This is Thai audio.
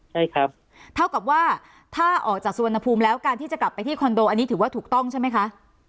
ใช่ครับเท่ากับว่าถ้าออกจากสุวรรณภูมิแล้วการที่จะกลับไปที่คอนโดอันนี้ถือว่าถูกต้องใช่ไหมคะ